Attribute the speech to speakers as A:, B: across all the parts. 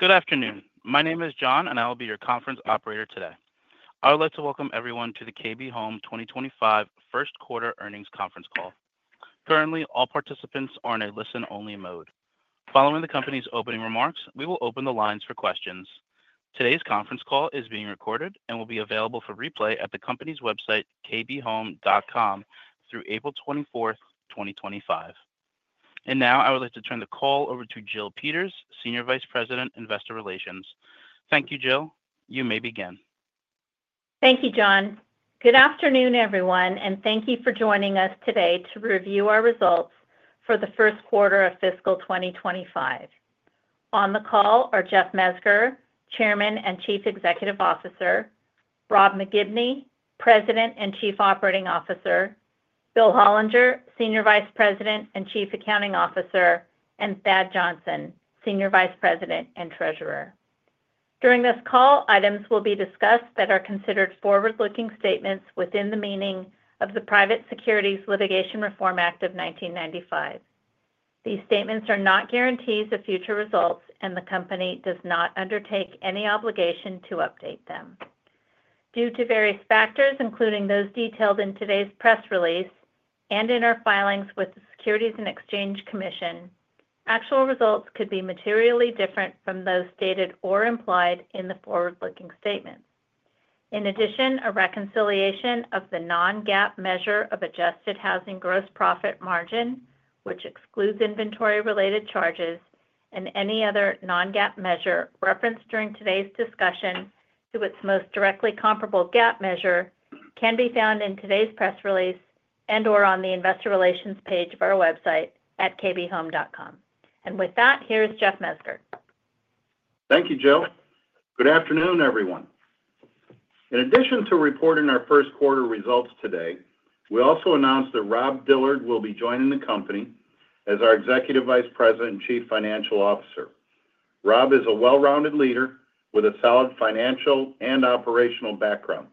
A: Good afternoon. My name is John, and I'll be your conference operator today. I would like to welcome everyone to the KB Home 2025 Q1 Earnings Conference Call. Currently, all participants are in a listen-only mode. Following the company's opening remarks, we will open the lines for questions. Today's conference call is being recorded and will be available for replay at the company's website kbhome.com through 24 April 2025. I would like to turn the call over to Jill Peters, Senior Vice President, Investor Relations. Thank you, Jill. You may begin. Thank you, John. Good afternoon, everyone, and thank you for joining us today to review our results for the Q1 of fiscal 2025. On the call are Jeff Mezger, Chairman and Chief Executive Officer; Rob McGibney, President and Chief Operating Officer; Bill Hollinger, Senior Vice President and Chief Accounting Officer; and Thad Johnson, Senior Vice President and Treasurer. During this call, items will be discussed that are considered forward-looking statements within the meaning of the Private Securities Litigation Reform Act of 1995. These statements are not guarantees of future results, and the company does not undertake any obligation to update them. Due to various factors, including those detailed in today's press release and in our filings with the Securities and Exchange Commission, actual results could be materially different from those stated or implied in the forward-looking statements. In addition, a reconciliation of the non-GAAP measure of adjusted housing gross profit margin, which excludes inventory-related charges, and any other non-GAAP measure referenced during today's discussion to its most directly comparable GAAP measure can be found in today's press release and/or on the investor relations page of our website at kbhome.com. With that, here is Jeff Mezger.
B: Thank you, Jill. Good afternoon, everyone. In addition to reporting our Q1 results today, we also announced that Rob Dillard will be joining the company as our Executive Vice President and Chief Financial Officer. Rob is a well-rounded leader with a solid financial and operational background.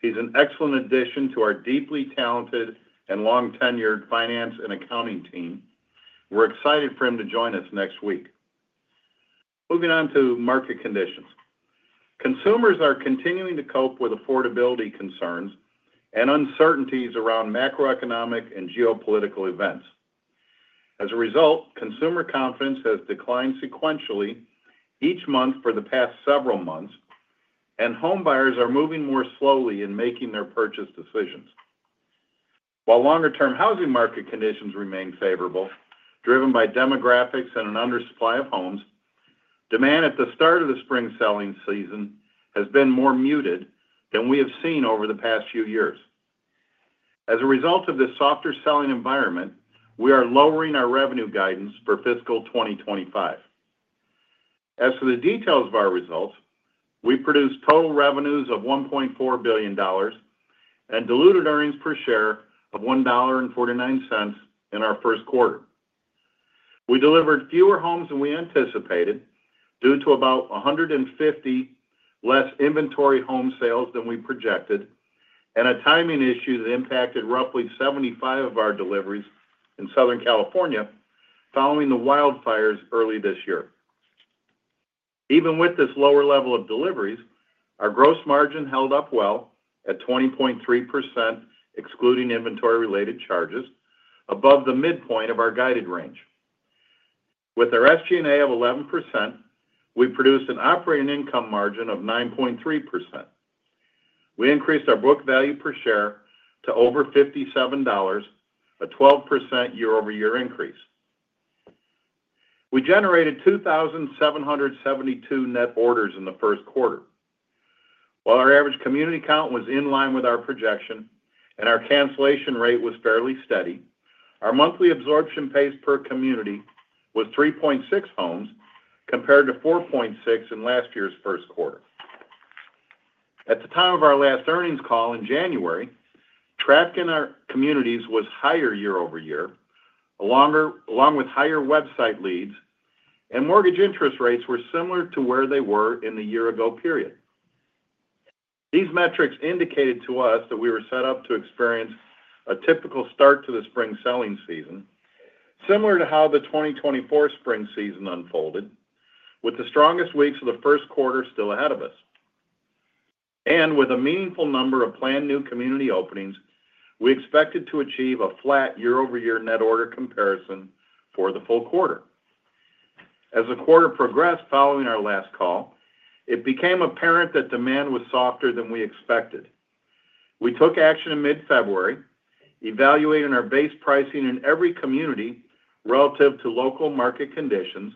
B: He's an excellent addition to our deeply talented and long-tenured finance and accounting team. We're excited for him to join us next week. Moving on to market conditions. Consumers are continuing to cope with affordability concerns and uncertainties around macroeconomic and geopolitical events. As a result, consumer confidence has declined sequentially each month for the past several months, and homebuyers are moving more slowly in making their purchase decisions. While longer-term housing market conditions remain favorable, driven by demographics and an undersupply of homes, demand at the start of the spring selling season has been more muted than we have seen over the past few years. As a result of this softer selling environment, we are lowering our revenue guidance for fiscal 2025. As for the details of our results, we produced total revenues of $1.4 billion and diluted earnings per share of $1.49 in our Q1. We delivered fewer homes than we anticipated due to about 150 less inventory home sales than we projected, and a timing issue that impacted roughly 75 of our deliveries in Southern California following the wildfires early this year. Even with this lower level of deliveries, our gross margin held up well at 20.3%, excluding inventory-related charges, above the midpoint of our guided range. With our SG&A of 11%, we produced an operating income margin of 9.3%. We increased our book value per share to over $57, a 12% year-over-year increase. We generated 2,772 net orders in the Q1. While our average community count was in line with our projection and our cancellation rate was fairly steady, our monthly absorption pace per community was 3.6 homes compared to 4.6 in last year's Q1. At the time of our last earnings call in January, traffic in our communities was higher year-over-year, along with higher website leads, and mortgage interest rates were similar to where they were in the year-ago period. These metrics indicated to us that we were set up to experience a typical start to the spring selling season, similar to how the 2024 spring season unfolded, with the strongest weeks of the Q1 still ahead of us. With a meaningful number of planned new community openings, we expected to achieve a flat year-over-year net order comparison for the full quarter. As the quarter progressed following our last call, it became apparent that demand was softer than we expected. We took action in mid-February, evaluating our base pricing in every community relative to local market conditions,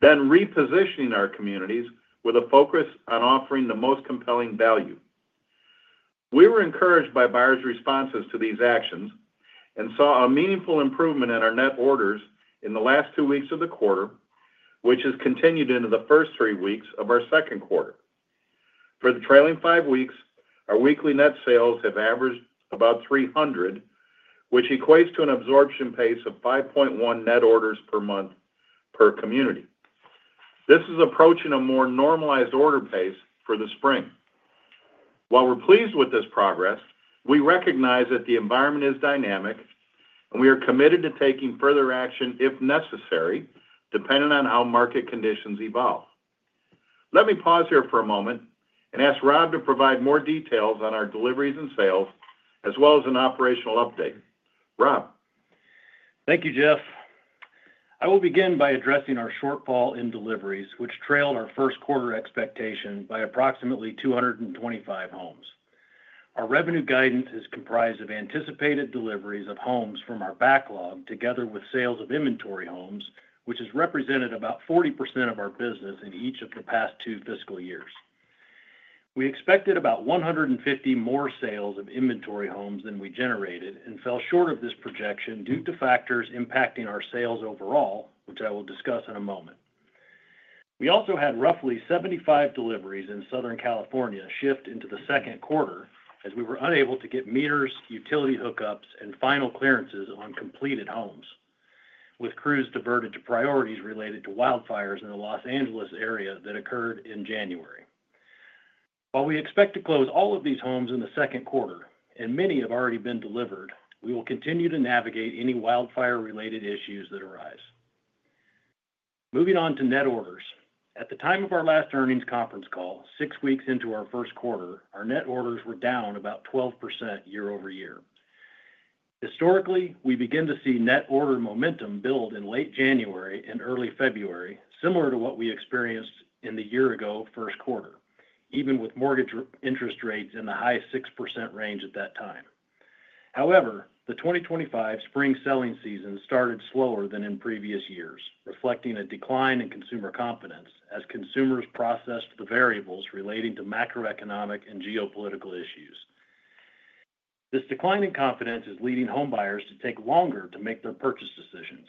B: then repositioning our communities with a focus on offering the most compelling value. We were encouraged by buyers' responses to these actions and saw a meaningful improvement in our net orders in the last two weeks of the quarter, which has continued into the first three weeks of our Q2. For the trailing five weeks, our weekly net sales have averaged about 300, which equates to an absorption pace of 5.1 net orders per month per community. This is approaching a more normalized order pace for the spring. While we're pleased with this progress, we recognize that the environment is dynamic, and we are committed to taking further action if necessary, depending on how market conditions evolve. Let me pause here for a moment and ask Rob to provide more details on our deliveries and sales, as well as an operational update. Rob.
C: Thank you, Jeff. I will begin by addressing our shortfall in deliveries, which trailed our Q1 expectation by approximately 225 homes. Our revenue guidance is comprised of anticipated deliveries of homes from our backlog, together with sales of inventory homes, which has represented about 40% of our business in each of the past two fiscal years. We expected about 150 more sales of inventory homes than we generated and fell short of this projection due to factors impacting our sales overall, which I will discuss in a moment. We also had roughly 75 deliveries in Southern California shift into the Q2 as we were unable to get meters, utility hookups, and final clearances on completed homes, with crews diverted to priorities related to wildfires in the Los Angeles area that occurred in January. While we expect to close all of these homes in the Q2, and many have already been delivered, we will continue to navigate any wildfire-related issues that arise. Moving on to net orders. At the time of our last earnings conference call, six weeks into our Q1, our net orders were down about 12% year-over-year. Historically, we begin to see net order momentum build in late January and early February, similar to what we experienced in the year-ago Q1, even with mortgage interest rates in the high 6% range at that time. However, the 2025 spring selling season started slower than in previous years, reflecting a decline in consumer confidence as consumers processed the variables relating to macroeconomic and geopolitical issues. This decline in confidence is leading homebuyers to take longer to make their purchase decisions.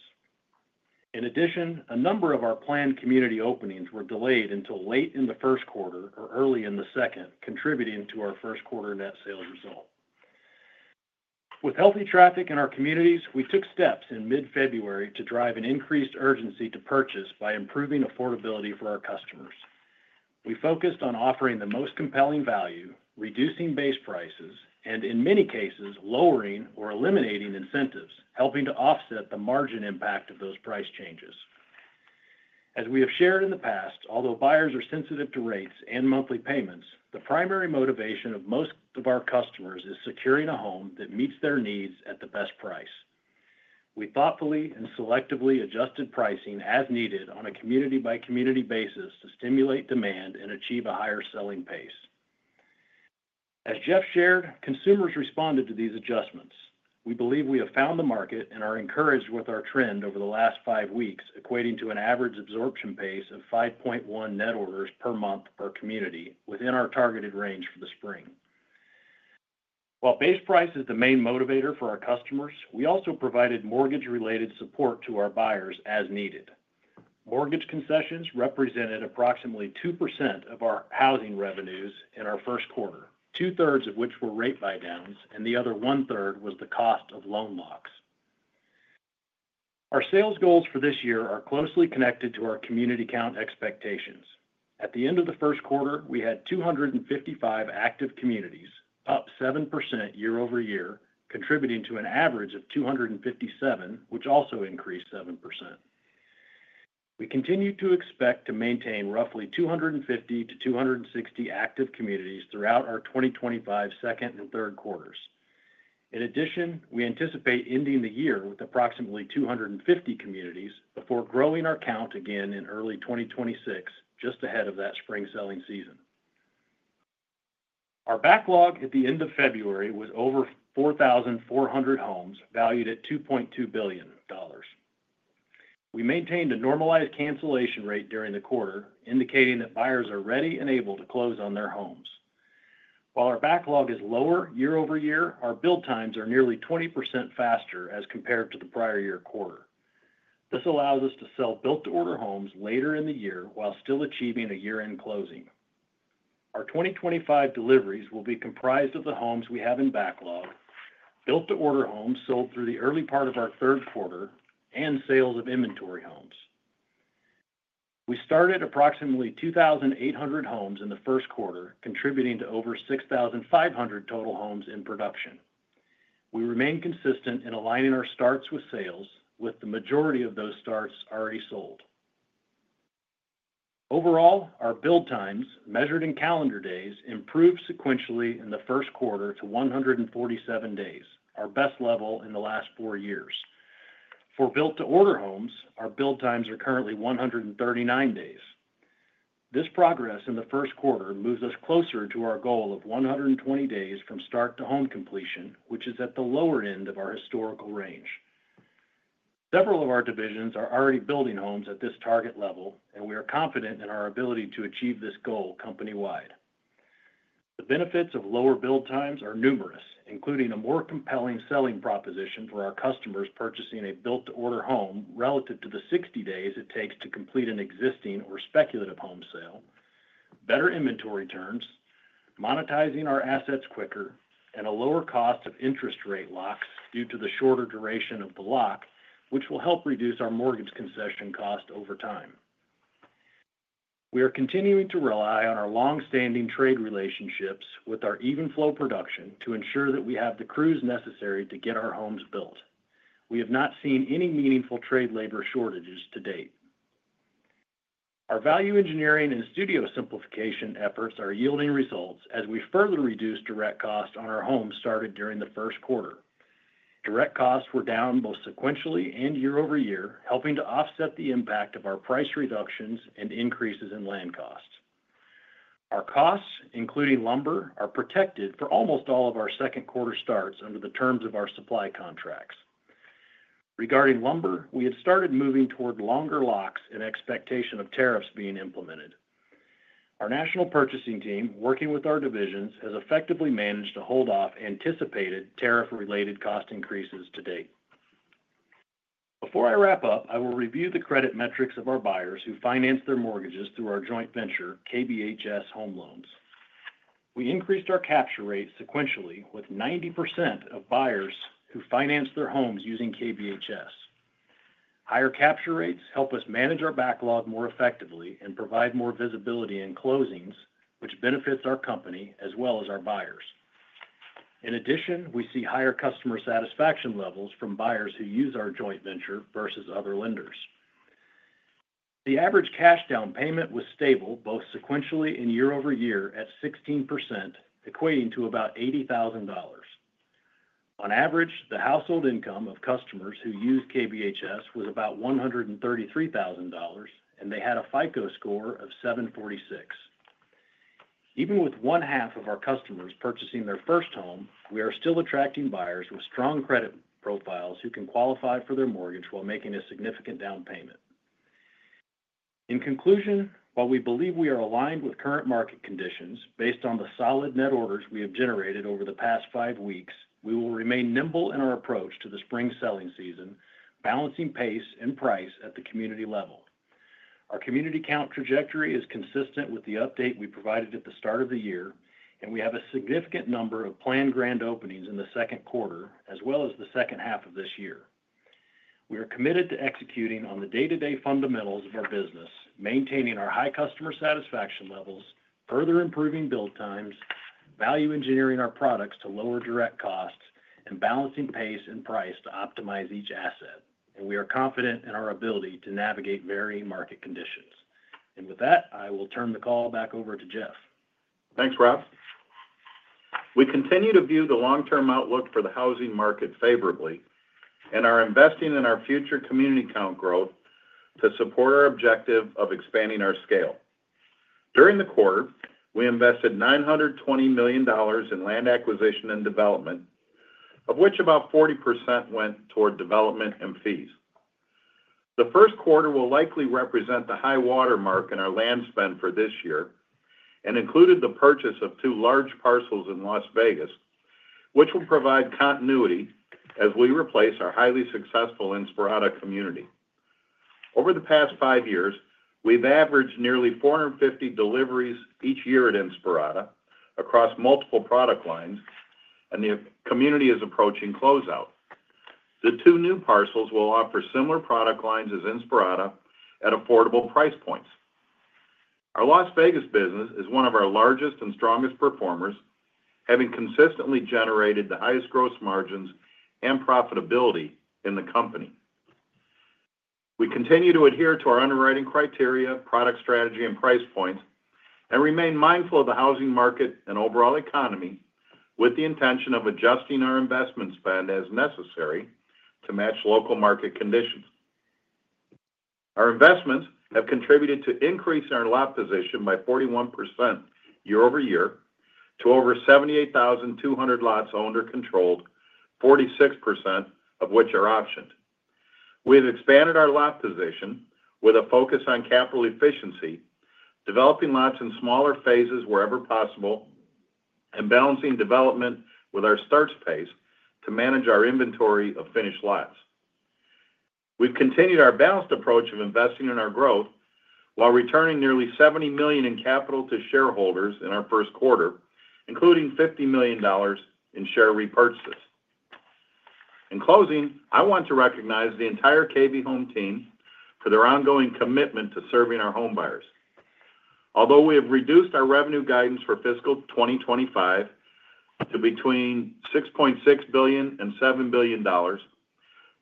C: In addition, a number of our planned community openings were delayed until late in the Q1 or early in the second, contributing to our Q1 net sales result. With healthy traffic in our communities, we took steps in mid-February to drive an increased urgency to purchase by improving affordability for our customers. We focused on offering the most compelling value, reducing base prices, and in many cases, lowering or eliminating incentives, helping to offset the margin impact of those price changes. As we have shared in the past, although buyers are sensitive to rates and monthly payments, the primary motivation of most of our customers is securing a home that meets their needs at the best price. We thoughtfully and selectively adjusted pricing as needed on a community-by-community basis to stimulate demand and achieve a higher selling pace. As Jeff shared, consumers responded to these adjustments. We believe we have found the market and are encouraged with our trend over the last five weeks, equating to an average absorption pace of 5.1 net orders per month per community within our targeted range for the spring. While base price is the main motivator for our customers, we also provided mortgage-related support to our buyers as needed. Mortgage concessions represented approximately 2% of our housing revenues in our Q1, two-thirds of which were rate buy-downs, and the other one-third was the cost of loan locks. Our sales goals for this year are closely connected to our community count expectations. At the end of the Q1, we had 255 active communities, up 7% year-over-year, contributing to an average of 257, which also increased 7%. We continue to expect to maintain roughly 250 to 260 active communities throughout our 2025 second and Q3s. In addition, we anticipate ending the year with approximately 250 communities before growing our count again in early 2026, just ahead of that spring selling season. Our backlog at the end of February was over 4,400 homes valued at $2.2 billion. We maintained a normalized cancellation rate during the quarter, indicating that buyers are ready and able to close on their homes. While our backlog is lower year-over-year, our build times are nearly 20% faster as compared to the prior year quarter. This allows us to sell built-to-order homes later in the year while still achieving a year-end closing. Our 2025 deliveries will be comprised of the homes we have in backlog, built-to-order homes sold through the early part of our Q3, and sales of inventory homes. We started approximately 2,800 homes in the Q1, contributing to over 6,500 total homes in production. We remain consistent in aligning our starts with sales, with the majority of those starts already sold. Overall, our build times, measured in calendar days, improved sequentially in the Q1 to 147 days, our best level in the last four years. For build-to-order homes, our build times are currently 139 days. This progress in the Q1 moves us closer to our goal of 120 days from start to home completion, which is at the lower end of our historical range. Several of our divisions are already building homes at this target level, and we are confident in our ability to achieve this goal company-wide. The benefits of lower build times are numerous, including a more compelling selling proposition for our customers purchasing a build-to-order home relative to the 60 days it takes to complete an existing or speculative home sale, better inventory turns, monetizing our assets quicker, and a lower cost of interest rate locks due to the shorter duration of the lock, which will help reduce our mortgage concession cost over time. We are continuing to rely on our long-standing trade relationships with our Even flow production to ensure that we have the crews necessary to get our homes built. We have not seen any meaningful trade labor shortages to date. Our value engineering and studio simplification efforts are yielding results as we further reduce direct costs on our homes started during the Q1. Direct costs were down both sequentially and year-over-year, helping to offset the impact of our price reductions and increases in land costs. Our costs, including lumber, are protected for almost all of our Q2 starts under the terms of our supply contracts. Regarding lumber, we had started moving toward longer locks in expectation of tariffs being implemented. Our national purchasing team, working with our divisions, has effectively managed to hold off anticipated tariff-related cost increases to date. Before I wrap up, I will review the credit metrics of our buyers who finance their mortgages through our joint venture, KBHS Home Loans. We increased our capture rate sequentially with 90% of buyers who finance their homes using KBHS. Higher capture rates help us manage our backlog more effectively and provide more visibility in closings, which benefits our company as well as our buyers. In addition, we see higher customer satisfaction levels from buyers who use our joint venture versus other lenders. The average cash down payment was stable both sequentially and year-over-year at 16%, equating to about $80,000. On average, the household income of customers who use KBHS was about $133,000, and they had a FICO score of 746. Even with one-half of our customers purchasing their first home, we are still attracting buyers with strong credit profiles who can qualify for their mortgage while making a significant down payment. In conclusion, while we believe we are aligned with current market conditions based on the solid net orders we have generated over the past five weeks, we will remain nimble in our approach to the spring selling season, balancing pace and price at the community level. Our community count trajectory is consistent with the update we provided at the start of the year, and we have a significant number of planned grand openings in the Q2, as well as the second half of this year. We are committed to executing on the day-to-day fundamentals of our business, maintaining our high customer satisfaction levels, further improving build times, value engineering our products to lower direct costs, and balancing pace and price to optimize each asset. We are confident in our ability to navigate varying market conditions. With that, I will turn the call back over to Jeff.
B: Thanks, Rob. We continue to view the long-term outlook for the housing market favorably and are investing in our future community count growth to support our objective of expanding our scale. During the quarter, we invested $920 million in land acquisition and development, of which about 40% went toward development and fees. The Q1 will likely represent the high watermark in our land spend for this year and included the purchase of two large parcels in Las Vegas, which will provide continuity as we replace our highly successful Inspirada community. Over the past five years, we've averaged nearly 450 deliveries each year at Inspirada across multiple product lines, and the community is approaching closeout. The two new parcels will offer similar product lines as Inspirada at affordable price points. Our Las Vegas business is one of our largest and strongest performers, having consistently generated the highest gross margins and profitability in the company. We continue to adhere to our underwriting criteria, product strategy, and price points, and remain mindful of the housing market and overall economy with the intention of adjusting our investment spend as necessary to match local market conditions. Our investments have contributed to increasing our lot position by 41% year-over-year to over 78,200 lots owned or controlled, 46% of which are optioned. We have expanded our lot position with a focus on capital efficiency, developing lots in smaller phases wherever possible, and balancing development with our start space to manage our inventory of finished lots. We've continued our balanced approach of investing in our growth while returning nearly $70 million in capital to shareholders in our Q1, including $50 million in share repurchases. In closing, I want to recognize the entire KB Home team for their ongoing commitment to serving our homebuyers. Although we have reduced our revenue guidance for fiscal 2025 to between $6.6 billion and $7 billion,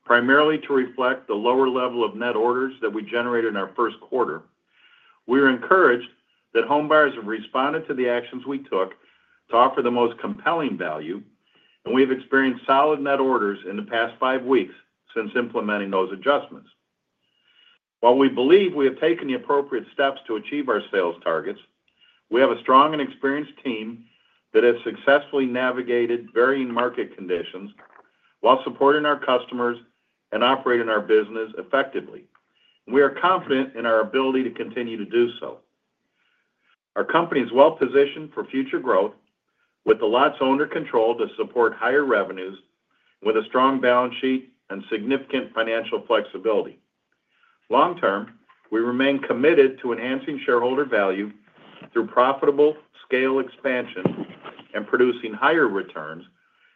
B: primarily to reflect the lower level of net orders that we generated in our Q1, we are encouraged that homebuyers have responded to the actions we took to offer the most compelling value, and we have experienced solid net orders in the past five weeks since implementing those adjustments. While we believe we have taken the appropriate steps to achieve our sales targets, we have a strong and experienced team that has successfully navigated varying market conditions while supporting our customers and operating our business effectively. We are confident in our ability to continue to do so. Our company is well-positioned for future growth with the lots owned or controlled to support higher revenues with a strong balance sheet and significant financial flexibility. Long-term, we remain committed to enhancing shareholder value through profitable scale expansion and producing higher returns,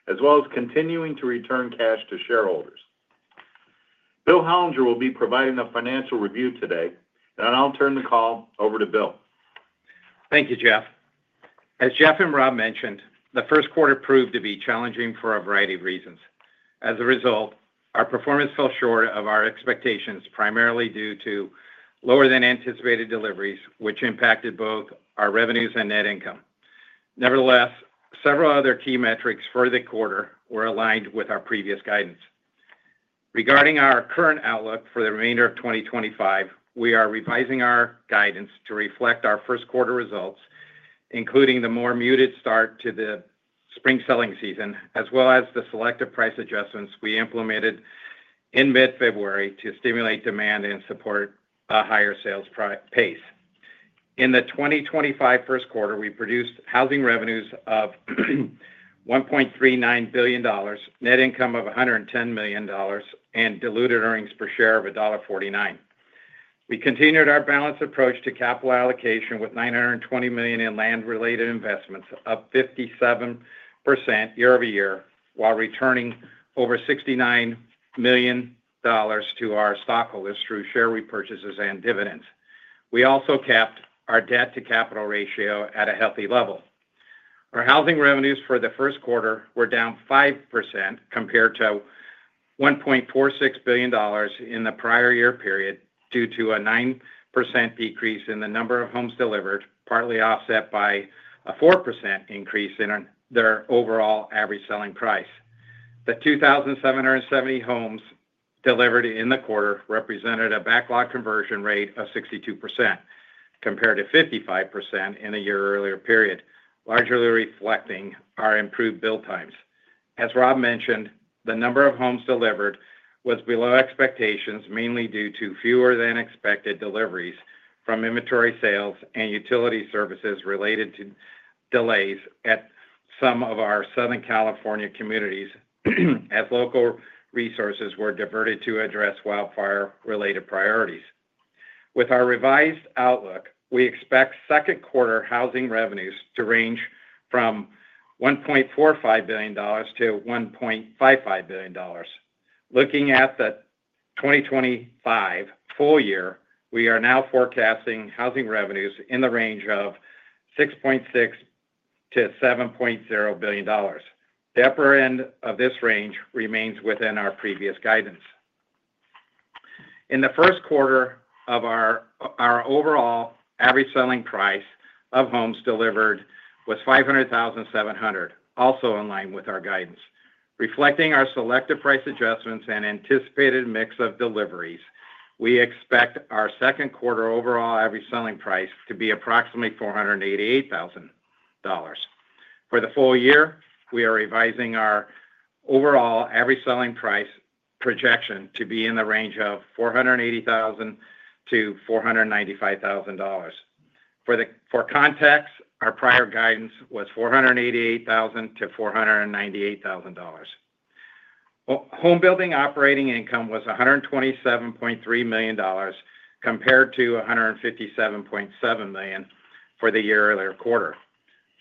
B: as well as continuing to return cash to shareholders. Bill Hollinger will be providing a financial review today, and I'll turn the call over to Bill.
D: Thank you, Jeff. As Jeff and Rob mentioned, the Q1 proved to be challenging for a variety of reasons. As a result, our performance fell short of our expectations, primarily due to lower-than-anticipated deliveries, which impacted both our revenues and net income. Nevertheless, several other key metrics for the quarter were aligned with our previous guidance. Regarding our current outlook for the remainder of 2025, we are revising our guidance to reflect our Q1 results, including the more muted start to the spring selling season, as well as the selective price adjustments we implemented in mid-February to stimulate demand and support a higher sales pace. In the 2025 Q1, we produced housing revenues of $1.39 billion, net income of $110 million, and diluted earnings per share of $1.49. We continued our balanced approach to capital allocation with $920 million in land-related investments, up 57% year-over-year, while returning over $69 million to our stockholders through share repurchases and dividends. We also kept our debt-to-capital ratio at a healthy level. Our housing revenues for the Q1 were down 5% compared to $1.46 billion in the prior year period due to a 9% decrease in the number of homes delivered, partly offset by a 4% increase in their overall average selling price. The 2,770 homes delivered in the quarter represented a backlog conversion rate of 62% compared to 55% in a year-earlier period, largely reflecting our improved build times. As Rob mentioned, the number of homes delivered was below expectations, mainly due to fewer-than-expected deliveries from inventory sales and utility services related to delays at some of our Southern California communities as local resources were diverted to address wildfire-related priorities. With our revised outlook, we expect Q2 housing revenues to range from $1.45 billion-$1.55 billion. Looking at the 2025 full year, we are now forecasting housing revenues in the range of $6.6 billion-$7.0 billion. The upper end of this range remains within our previous guidance. In the Q1 our overall average selling price of homes delivered was $500,700, also in line with our guidance. Reflecting our selective price adjustments and anticipated mix of deliveries, we expect our Q2 overall average selling price to be approximately $488,000. For the full year, we are revising our overall average selling price projection to be in the range of $480,000-$495,000. For context, our prior guidance was $488,000-$498,000. Homebuilding operating income was $127.3 million compared to $157.7 million for the year-earlier quarter.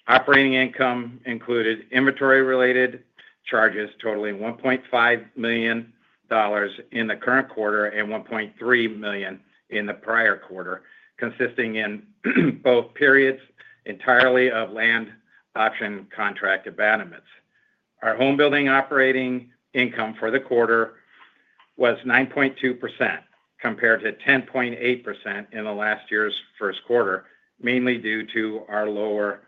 D: Operating income included inventory-related charges, totaling $1.5 million in the current quarter and $1.3 million in the prior quarter, consisting in both periods entirely of land option contract abandonments. Our homebuilding operating income for the quarter was 9.2% compared to 10.8% in last year's Q1, mainly due to our lower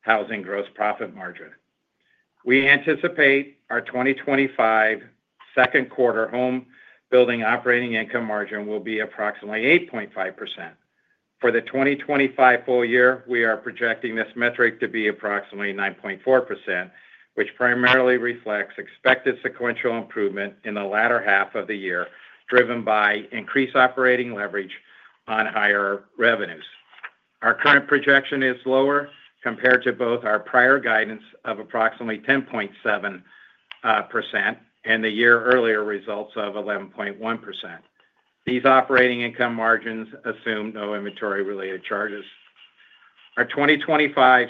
D: housing gross profit margin. We anticipate our 2025 Q2 homebuilding operating income margin will be approximately 8.5%. For the 2025 full year, we are projecting this metric to be approximately 9.4%, which primarily reflects expected sequential improvement in the latter half of the year, driven by increased operating leverage on higher revenues. Our current projection is lower compared to both our prior guidance of approximately 10.7% and the year-earlier results of 11.1%. These operating income margins assume no inventory-related charges. Our 2025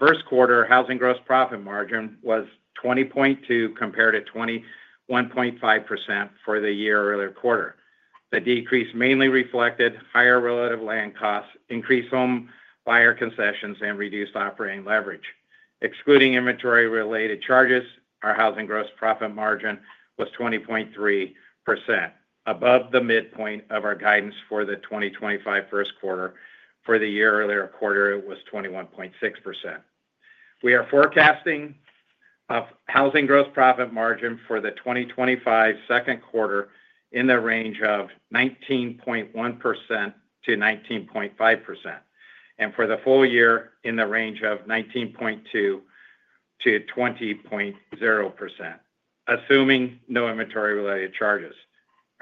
D: Q1 housing gross profit margin was 20.2% compared to 21.5% for the year-earlier quarter. The decrease mainly reflected higher relative land costs, increased homebuyer concessions, and reduced operating leverage. Excluding inventory-related charges, our housing gross profit margin was 20.3%, above the midpoint of our guidance for the 2025 Q1. For the year-earlier quarter, it was 21.6%. We are forecasting a housing gross profit margin for the 2025 Q2 in the range of 19.1% to 19.5%, and for the full year, in the range of 19.2% to 20.0%, assuming no inventory-related charges.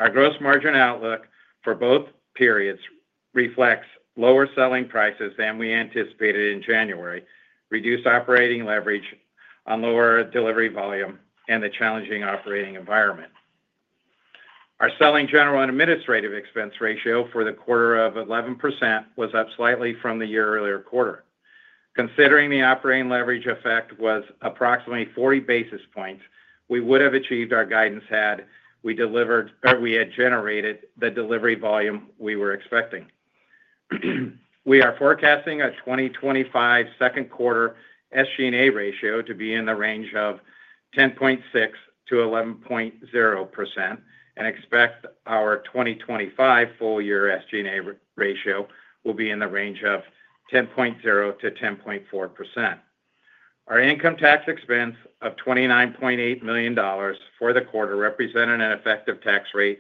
D: Our gross margin outlook for both periods reflects lower selling prices than we anticipated in January, reduced operating leverage on lower delivery volume, and the challenging operating environment. Our selling, general, and administrative expense ratio for the quarter of 11% was up slightly from the year-earlier quarter. Considering the operating leverage effect was approximately 40 basis points, we would have achieved our guidance had we delivered or we had generated the delivery volume we were expecting. We are forecasting a 2025 Q2 SG&A ratio to be in the range of 10.6% to 11.0%, and expect our 2025 full year SG&A ratio will be in the range of 10.0%-10.4%. Our income tax expense of $29.8 million for the quarter represented an effective tax rate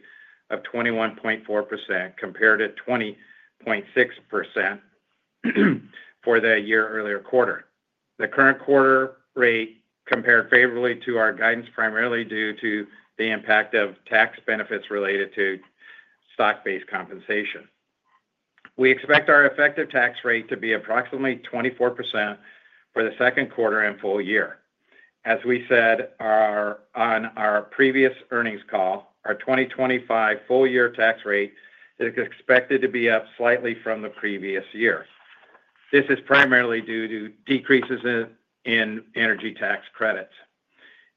D: of 21.4% compared to 20.6% for the year-earlier quarter. The current quarter rate compared favorably to our guidance primarily due to the impact of tax benefits related to stock-based compensation. We expect our effective tax rate to be approximately 24% for the Q2 and full year. As we said on our previous earnings call, our 2025 full year tax rate is expected to be up slightly from the previous year. This is primarily due to decreases in energy tax credits.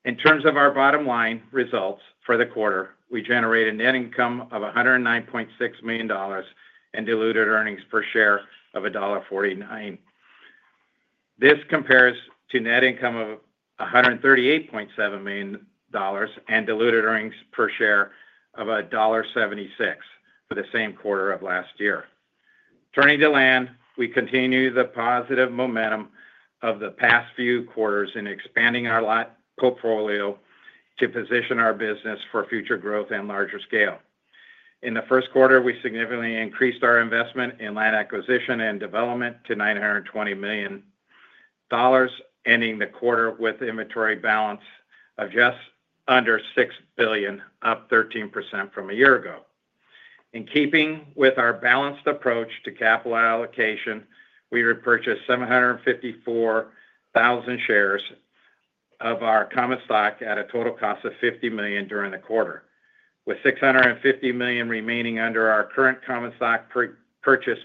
D: In terms of our bottom line results for the quarter, we generated net income of $109.6 million and diluted earnings per share of $1.49. This compares to net income of $138.7 million and diluted earnings per share of $1.76 for the same quarter of last year. Turning to land, we continue the positive momentum of the past few quarters in expanding our lot portfolio to position our business for future growth and larger scale. In the Q1, we significantly increased our investment in land acquisition and development to $920 million, ending the quarter with inventory balance of just under $6 billion, up 13% from a year ago. In keeping with our balanced approach to capital allocation, we repurchased 754,000 shares of our common stock at a total cost of $50 million during the quarter. With $650 million remaining under our current common stock purchase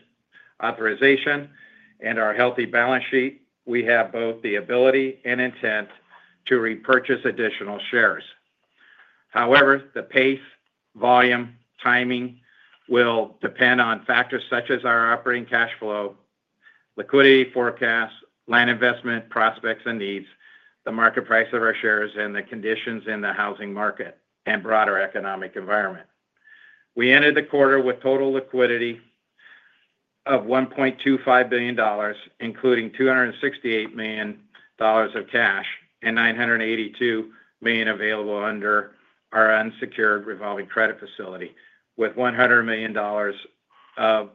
D: authorization and our healthy balance sheet, we have both the ability and intent to repurchase additional shares. However, the pace, volume, timing will depend on factors such as our operating cash flow, liquidity forecasts, land investment prospects and needs, the market price of our shares, and the conditions in the housing market and broader economic environment. We ended the quarter with total liquidity of $1.25 billion, including $268 million of cash and $982 million available under our unsecured revolving credit facility, with $100 million of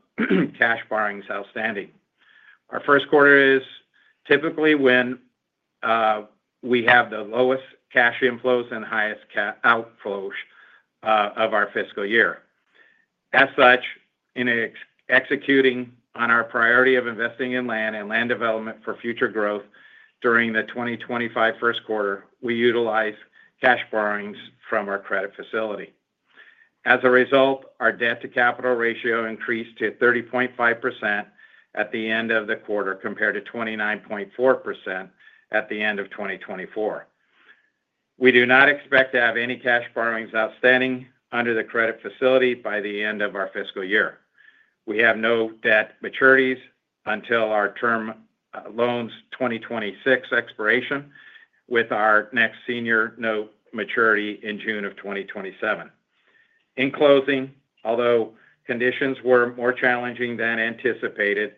D: cash borrowings outstanding. Our Q1 is typically when we have the lowest cash inflows and highest outflows of our fiscal year. As such, in executing on our priority of investing in land and land development for future growth during the 2025 Q1, we utilize cash borrowings from our credit facility. As a result, our debt-to-capital ratio increased to 30.5% at the end of the quarter compared to 29.4% at the end of 2024. We do not expect to have any cash borrowings outstanding under the credit facility by the end of our fiscal year. We have no debt maturities until our term loans' 2026 expiration, with our next senior note maturity in June of 2027. In closing, although conditions were more challenging than anticipated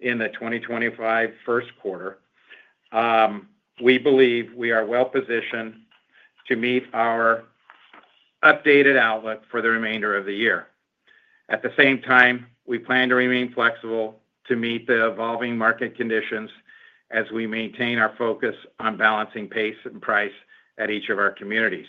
D: in the 2025 Q1, we believe we are well-positioned to meet our updated outlook for the remainder of the year. At the same time, we plan to remain flexible to meet the evolving market conditions as we maintain our focus on balancing pace and price at each of our communities.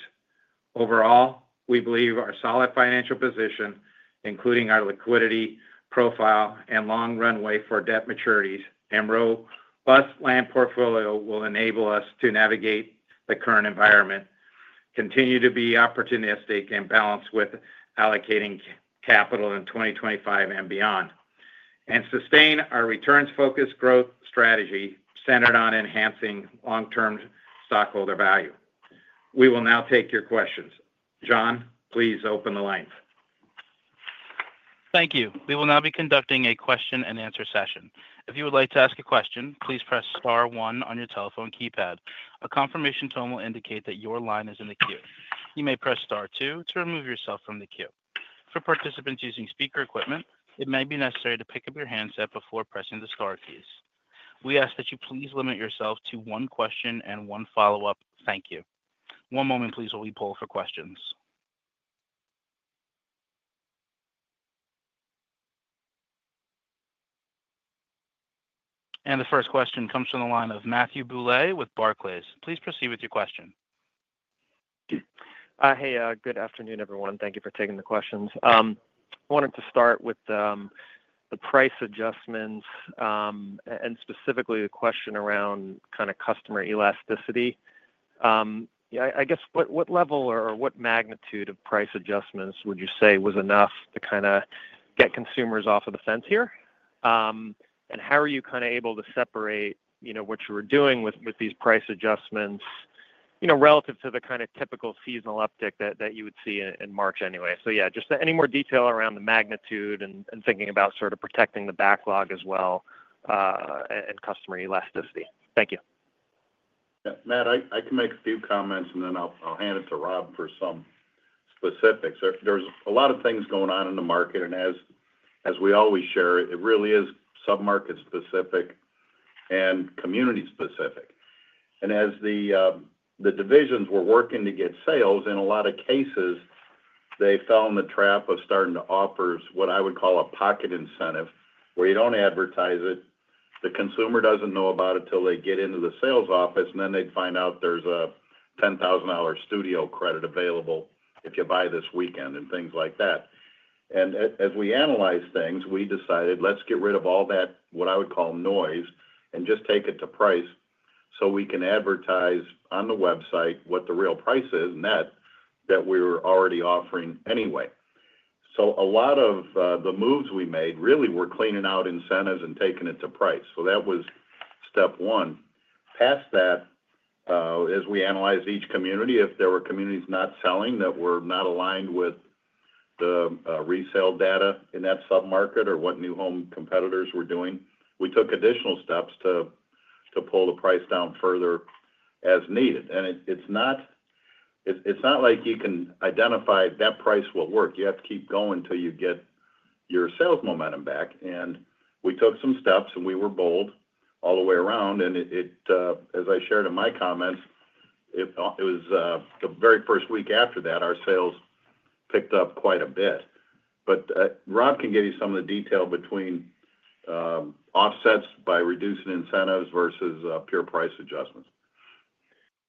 D: Overall, we believe our solid financial position, including our liquidity profile and long runway for debt maturities, and robust land portfolio will enable us to navigate the current environment, continue to be opportunistic and balanced with allocating capital in 2025 and beyond, and sustain our returns-focused growth strategy centered on enhancing long-term stockholder value. We will now take your questions. John, please open the line.
A: Thank you. We will now be conducting a question-and-answer session. If you would like to ask a question, please press star one on your telephone keypad. A confirmation tone will indicate that your line is in the queue. You may press star two to remove yourself from the queue. For participants using speaker equipment, it may be necessary to pick up your handset before pressing the star keys. We ask that you please limit yourself to one question and one follow-up. Thank you. One moment, please, while we poll for questions. The first question comes from the line of Matthew Bouley with Barclays. Please proceed with your question.
E: Hey, good afternoon, everyone. Thank you for taking the questions. I wanted to start with the price adjustments and specifically the question around kind of customer elasticity. I guess what level or what magnitude of price adjustments would you say was enough to kind of get consumers off of the fence here? How are you kind of able to separate what you were doing with these price adjustments relative to the kind of typical seasonal uptick that you would see in March anyway? Just any more detail around the magnitude and thinking about sort of protecting the backlog as well and customer elasticity. Thank you.
B: Matt, I can make a few comments, and then I'll hand it to Rob for some specifics. There are a lot of things going on in the market, and as we always share, it really is sub-market specific and community specific. As the divisions were working to get sales, in a lot of cases, they fell in the trap of starting to offer what I would call a pocket incentive where you do not advertise it. The consumer does not know about it until they get into the sales office, and then they would find out there is a $10,000 studio credit available if you buy this weekend and things like that. As we analyzed things, we decided, "Let's get rid of all that, what I would call noise, and just take it to price so we can advertise on the website what the real price is net that we were already offering anyway." A lot of the moves we made really were cleaning out incentives and taking it to price. That was step one. Past that, as we analyzed each community, if there were communities not selling that were not aligned with the resale data in that sub-market or what new home competitors were doing, we took additional steps to pull the price down further as needed. It's not like you can identify that price will work. You have to keep going till you get your sales momentum back. We took some steps, and we were bold all the way around. As I shared in my comments, it was the very first week after that our sales picked up quite a bit. Rob can give you some of the detail between offsets by reducing incentives versus pure price adjustments.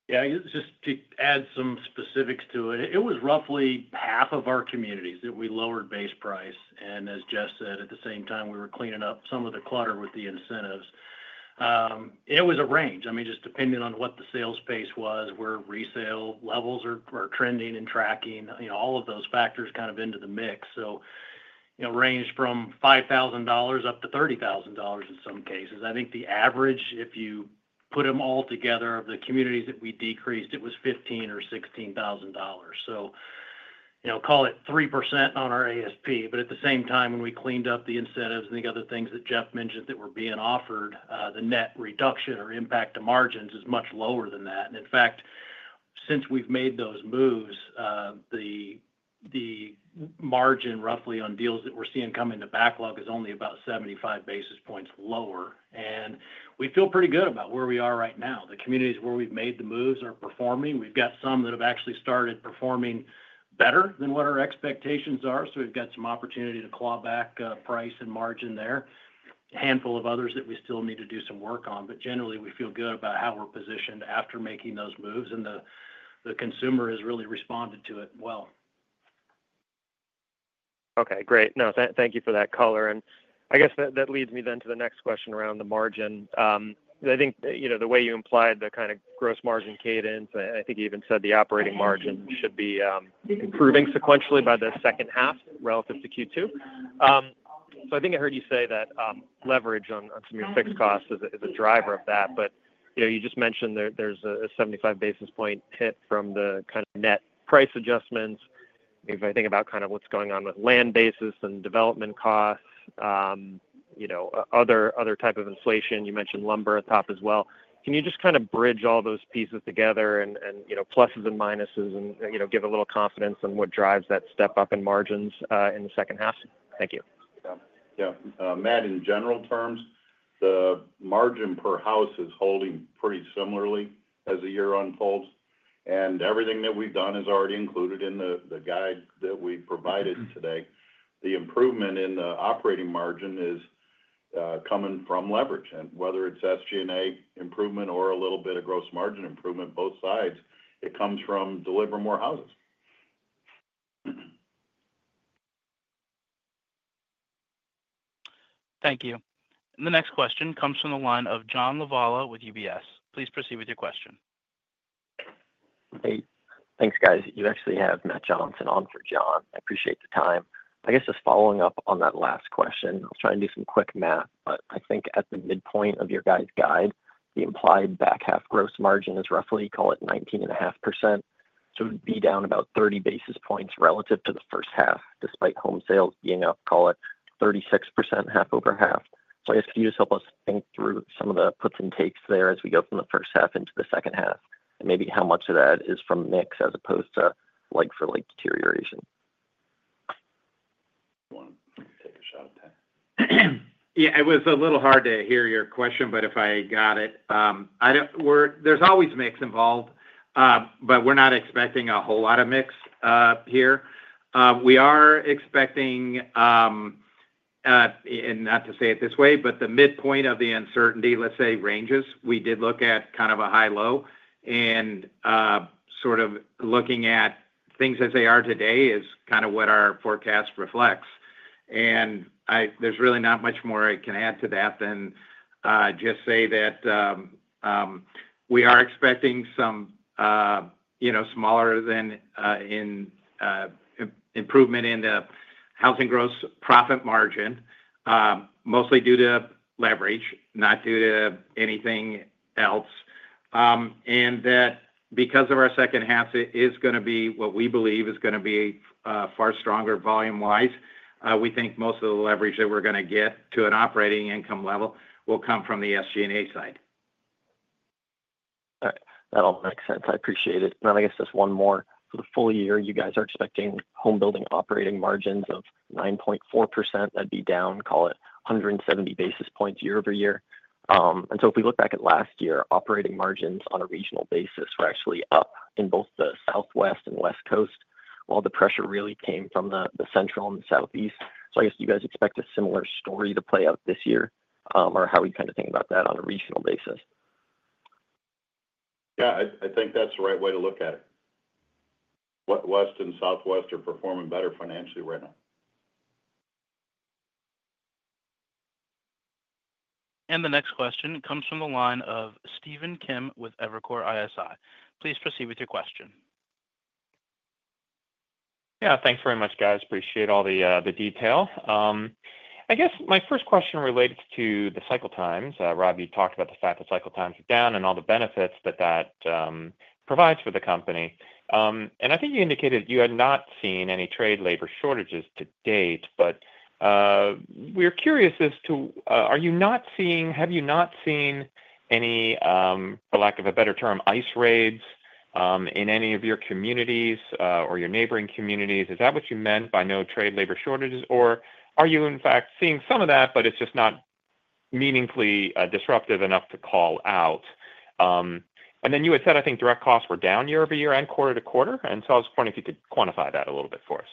C: Just to add some specifics to it, it was roughly half of our communities that we lowered base price. As Jeff said, at the same time, we were cleaning up some of the clutter with the incentives. It was a range, just depending on what the sales pace was, where resale levels are trending and tracking, all of those factors kind of into the mix. It ranged from $5,000 up to $30,000 in some cases. I think the average, if you put them all together, of the communities that we decreased, it was $15,000 or $16,000. Call it 3% on our ASP. At the same time, when we cleaned up the incentives and the other things that Jeff mentioned that were being offered, the net reduction or impact to margins is much lower than that. In fact, since we've made those moves, the margin roughly on deals that we're seeing come into backlog is only about 75 basis points lower. We feel pretty good about where we are right now. The communities where we've made the moves are performing. We've got some that have actually started performing better than what our expectations are. We've got some opportunity to claw back price and margin there. A handful of others that we still need to do some work on. Generally, we feel good about how we're positioned after making those moves, and the consumer has really responded to it well.
E: Okay. Great. No, thank you for that color. I guess that leads me then to the next question around the margin. I think the way you implied the kind of gross margin cadence, I think you even said the operating margin should be improving sequentially by the second half relative to Q2. I think I heard you say that leverage on some of your fixed costs is a driver of that. You just mentioned there is a 75 basis point hit from the kind of net price adjustments. If I think about kind of what is going on with land basis and development costs, other type of inflation, you mentioned lumber on top as well. Can you just kind of bridge all those pieces together and pluses and minuses and give a little confidence on what drives that step up in margins in the second half? Thank you.
B: Yeah. Matt, in general terms, the margin per house is holding pretty similarly as the year unfolds. Everything that we've done is already included in the guide that we provided today. The improvement in the operating margin is coming from leverage. Whether it's SG&A improvement or a little bit of gross margin improvement, both sides, it comes from delivering more houses.
A: Thank you. The next question comes from the line of John Lovallo with UBS. Please proceed with your question.
F: Hey. Thanks, guys. You actually have Matt Johnson on for John. I appreciate the time. I guess just following up on that last question, I'll try and do some quick math. I think at the midpoint of your guide's guide, the implied back half gross margin is roughly, call it 19.5%.
G: It would be down about 30 basis points relative to the first half, despite home sales being up, call it 36%, half over half. I guess could you just help us think through some of the puts and takes there as we go from the first half into the second half? Maybe how much of that is from mix as opposed to like-for-like deterioration?
B: I want to take a shot at that.
C: Yeah, it was a little hard to hear your question, but if I got it. There is always mix involved, but we are not expecting a whole lot of mix here. We are expecting, and not to say it this way, but the midpoint of the uncertainty, let's say, ranges. We did look at kind of a high low. Sort of looking at things as they are today is kind of what our forecast reflects. There is really not much more I can add to that than just say that we are expecting some smaller than improvement in the housing gross profit margin, mostly due to leverage, not due to anything else. That is because of our second half, it is going to be what we believe is going to be far stronger volume-wise. We think most of the leverage that we are going to get to an operating income level will come from the SG&A side.
F: That all makes sense. I appreciate it. I guess just one more. For the full year, you guys are expecting home building operating margins of 9.4%. That would be down, call it 170 basis points year-over-year. If we look back at last year, operating margins on a regional basis were actually up in both the Southwest and West Coast, while the pressure really came from the Central and the Southeast. I guess do you guys expect a similar story to play out this year or how we kind of think about that on a regional basis?
B: Yeah, I think that's the right way to look at it. West and Southwest are performing better financially right now.
A: The next question comes from the line of Stephen Kim with Evercore ISI. Please proceed with your question.
H: Yeah, thanks very much, guys. Appreciate all the detail. I guess my first question relates to the cycle times. Rob, you talked about the fact that cycle times are down and all the benefits that that provides for the company. I think you indicated you had not seen any trade labor shortages to date. We are curious as to, are you not seeing, have you not seen any, for lack of a better term, ICE raids in any of your communities or your neighboring communities? Is that what you meant by no trade labor shortages or are you, in fact, seeing some of that, but it is just not meaningfully disruptive enough to call out? You had said, I think direct costs were down year-over-year and quarter to quarter. I was wondering if you could quantify that a little bit for us.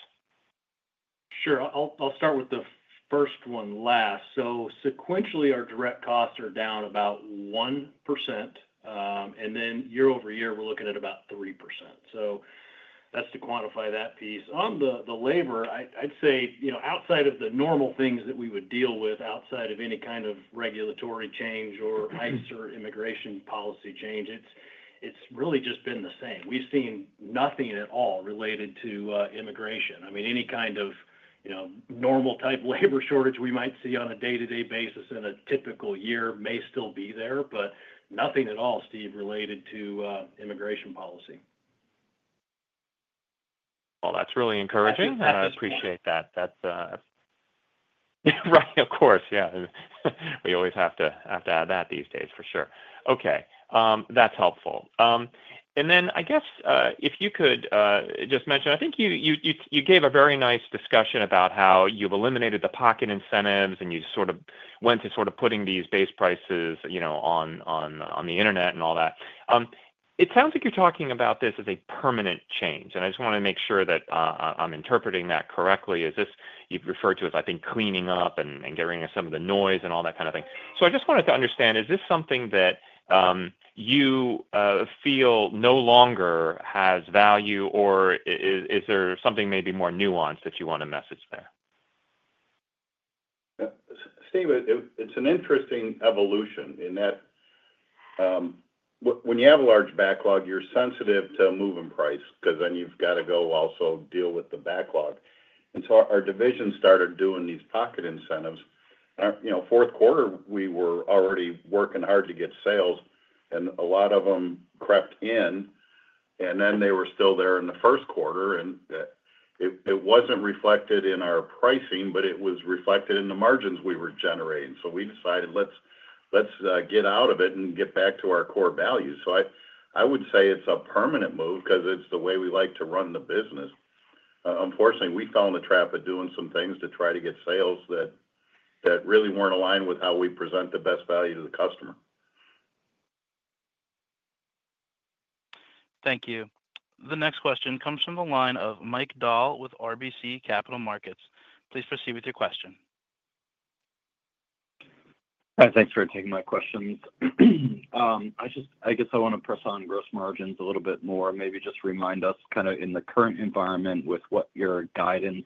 C: Sure. I will start with the first one last. Sequentially, our direct costs are down about 1%. year-over-year, we are looking at about 3%. That is to quantify that piece. On the labor, I'd say outside of the normal things that we would deal with outside of any kind of regulatory change or ICE or immigration policy change, it's really just been the same. We've seen nothing at all related to immigration. I mean, any kind of normal-type labor shortage we might see on a day-to-day basis in a typical year may still be there, but nothing at all, Steve, related to immigration policy.
H: That is really encouraging. I appreciate that. Right, of course. Yeah. We always have to add that these days, for sure. Okay. That is helpful. I guess if you could just mention, I think you gave a very nice discussion about how you've eliminated the pocket incentives and you sort of went to sort of putting these base prices on the internet and all that. It sounds like you're talking about this as a permanent change. I just want to make sure that I'm interpreting that correctly. You've referred to it as, I think, cleaning up and getting rid of some of the noise and all that kind of thing. I just wanted to understand, is this something that you feel no longer has value, or is there something maybe more nuanced that you want to message there?
A: Steve, it's an interesting evolution in that when you have a large backlog, you're sensitive to moving price because then you've got to go also deal with the backlog. Our division started doing these pocket incentives. Q4, we were already working hard to get sales, and a lot of them crept in. They were still there in the Q1. It was not reflected in our pricing, but it was reflected in the margins we were generating. We decided, "Let's get out of it and get back to our core values." I would say it is a permanent move because it is the way we like to run the business. Unfortunately, we fell in the trap of doing some things to try to get sales that really were not aligned with how we present the best value to the customer. Thank you. The next question comes from the line of Mike Dahl with RBC Capital Markets. Please proceed with your question.
I: Hi, thanks for taking my questions. I guess I want to press on gross margins a little bit more. Maybe just remind us kind of in the current environment with what your guidance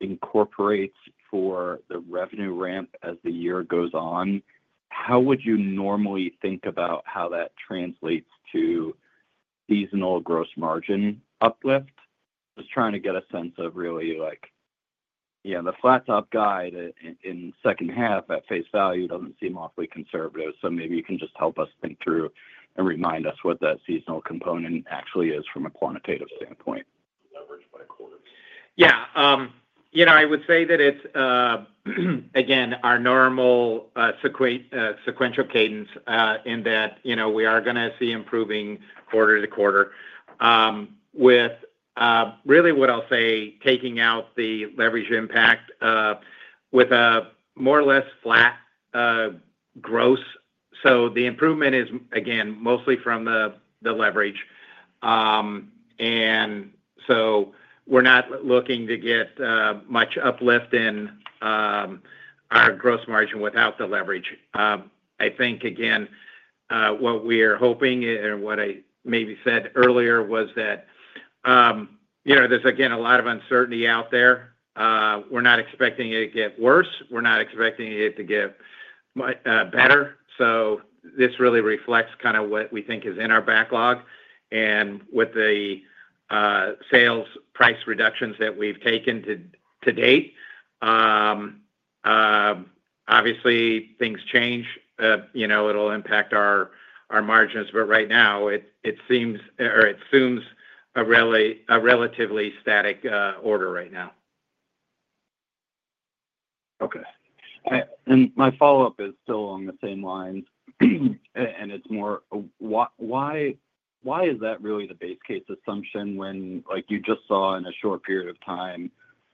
I: incorporates for the revenue ramp as the year goes on. How would you normally think about how that translates to seasonal gross margin uplift? Just trying to get a sense of really the flat-top guide in second half at face value does not seem awfully conservative. Maybe you can just help us think through and remind us what that seasonal component actually is from a quantitative standpoint. Leverage by quarter.
D: Yeah. I would say that it is, again, our normal sequential cadence in that we are going to see improving quarter to quarter with really what I will say, taking out the leverage impact with a more or less flat gross. The improvement is, again, mostly from the leverage. We are not looking to get much uplift in our gross margin without the leverage. I think, again, what we are hoping and what I maybe said earlier was that there is, again, a lot of uncertainty out there. We're not expecting it to get worse. We're not expecting it to get better. This really reflects kind of what we think is in our backlog. With the sales price reductions that we've taken to date, obviously, things change. It'll impact our margins. Right now, it seems or it assumes a relatively static order right now.
I: Okay. My follow-up is still along the same lines. It's more, why is that really the base case assumption when you just saw in a short period of time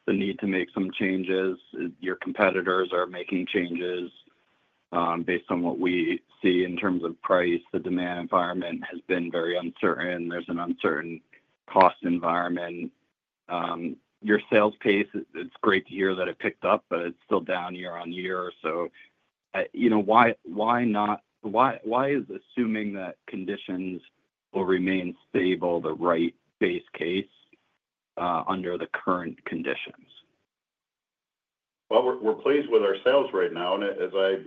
I: the need to make some changes? Your competitors are making changes based on what we see in terms of price. The demand environment has been very uncertain. There's an uncertain cost environment. Your sales pace, it's great to hear that it picked up, but it's still down year-on -year. Why is assuming that conditions will remain stable the right base case under the current conditions?
B: We're pleased with our sales right now. As I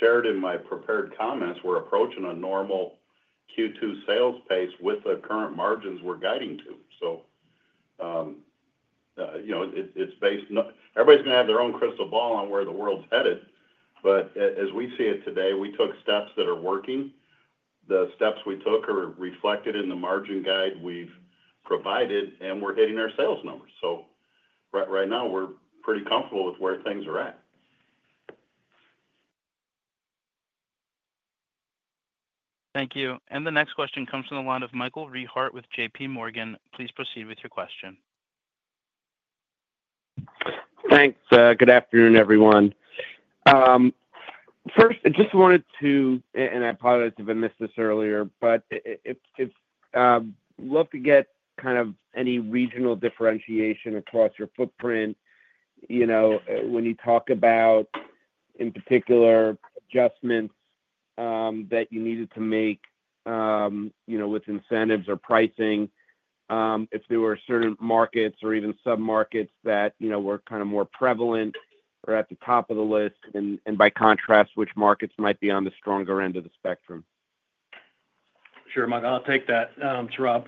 B: shared in my prepared comments, we're approaching a normal Q2 sales pace with the current margins we're guiding to. It's based on everybody's going to have their own crystal ball on where the world's headed. As we see it today, we took steps that are working. The steps we took are reflected in the margin guide we've provided, and we're hitting our sales numbers. Right now, we're pretty comfortable with where things are at.
A: Thank you. The next question comes from the line of Michael Rehaut with JPMorgan. Please proceed with your question.
J: Thanks. Good afternoon, everyone. First, I just wanted to, and I apologize if I missed this earlier, but I'd love to get kind of any regional differentiation across your footprint when you talk about, in particular, adjustments that you needed to make with incentives or pricing. If there were certain markets or even sub-markets that were kind of more prevalent or at the top of the list, and by contrast, which markets might be on the stronger end of the spectrum?
C: Sure, Mike. I'll take that, Rob.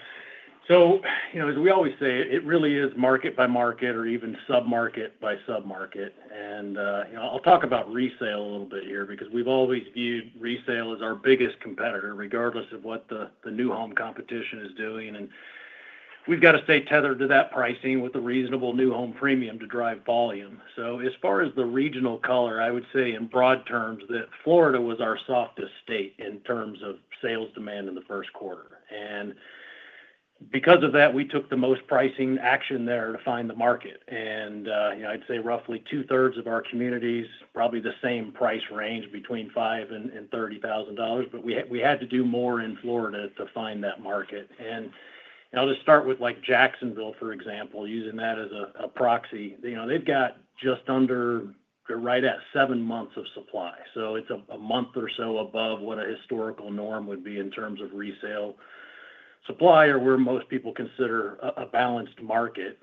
C: As we always say, it really is market by market or even sub-market by sub-market. I'll talk about resale a little bit here because we've always viewed resale as our biggest competitor, regardless of what the new home competition is doing. We've got to stay tethered to that pricing with a reasonable new home premium to drive volume. As far as the regional color, I would say in broad terms that Florida was our softest state in terms of sales demand in the Q1. Because of that, we took the most pricing action there to find the market. I'd say roughly two-thirds of our communities, probably the same price range between $5,000 and $30,000. We had to do more in Florida to find that market. I'll just start with Jacksonville, for example, using that as a proxy. They've got just under, right at, seven months of supply. It's a month or so above what a historical norm would be in terms of resale supply or where most people consider a balanced market.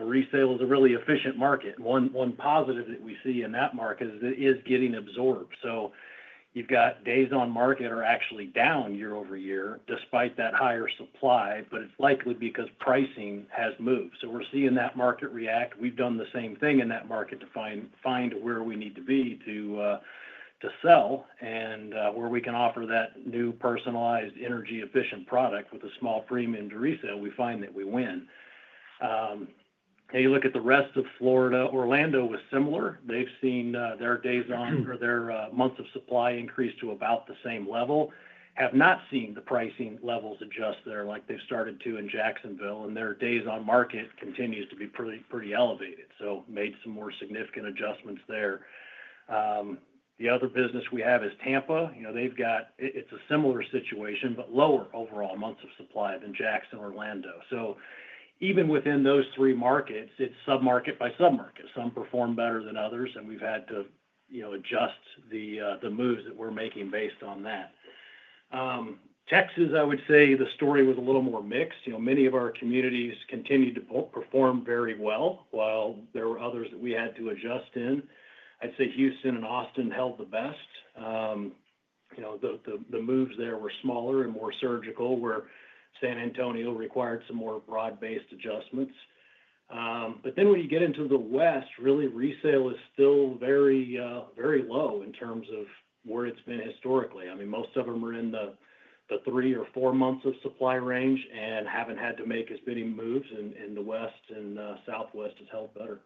C: Resale is a really efficient market. One positive that we see in that market is it is getting absorbed. You've got days on market are actually down year-over-year despite that higher supply, but it's likely because pricing has moved. We're seeing that market react. We've done the same thing in that market to find where we need to be to sell. Where we can offer that new personalized energy-efficient product with a small premium to resale, we find that we win. You look at the rest of Florida, Orlando was similar. They've seen their days on or their months of supply increased to about the same level. Have not seen the pricing levels adjust there like they've started to in Jacksonville. Their days on market continues to be pretty elevated. Made some more significant adjustments there. The other business we have is Tampa. It's a similar situation, but lower overall months of supply than Jacksonville or Orlando. Even within those three markets, it's sub-market by sub-market. Some perform better than others, and we've had to adjust the moves that we're making based on that. Texas, I would say the story was a little more mixed. Many of our communities continued to perform very well, while there were others that we had to adjust in. I'd say Houston and Austin held the best. The moves there were smaller and more surgical, where San Antonio required some more broad-based adjustments. When you get into the West, really resale is still very low in terms of where it's been historically. I mean, most of them are in the three or four months of supply range and haven't had to make as many moves in the West, and Southwest has held better.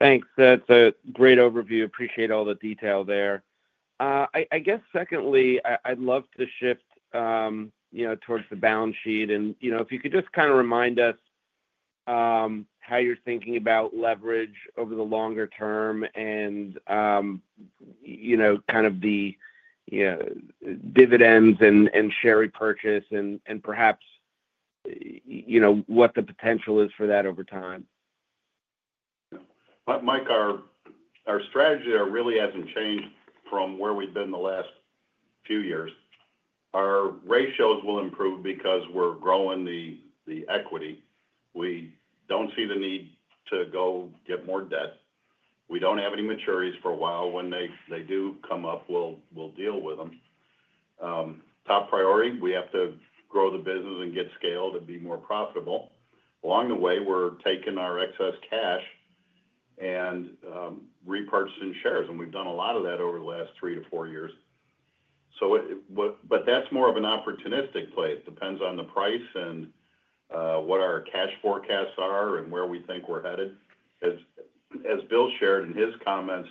J: Thanks. That's a great overview. Appreciate all the detail there. I guess secondly, I'd love to shift towards the balance sheet. If you could just kind of remind us how you're thinking about leverage over the longer term and kind of the dividends and share repurchase and perhaps what the potential is for that over time.
B: Mike, our strategy really hasn't changed from where we've been the last few years. Our ratios will improve because we're growing the equity. We don't see the need to go get more debt. We don't have any maturities for a while. When they do come up, we'll deal with them. Top priority, we have to grow the business and get scaled and be more profitable. Along the way, we're taking our excess cash and repurchasing shares. We've done a lot of that over the last three to four years. That's more of an opportunistic play. It depends on the price and what our cash forecasts are and where we think we're headed. As Bill shared in his comments,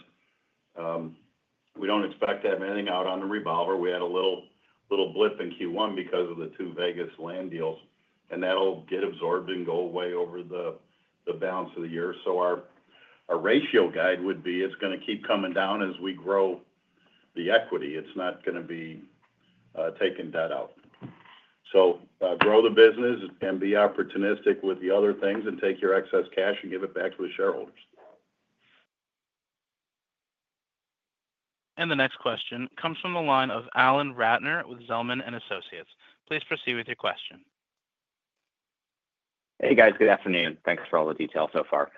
B: we don't expect to have anything out on the revolver. We had a little blip in Q1 because of the two Vegas land deals. That'll get absorbed and go away over the balance of the year. Our ratio guide would be it's going to keep coming down as we grow the equity. It's not going to be taking debt out. Grow the business and be opportunistic with the other things and take your excess cash and give it back to the shareholders.
A: The next question comes from the line of Alan Ratner with Zelman & Associates. Please proceed with your question.
K: Hey, guys. Good afternoon. Thanks for all the detail so far.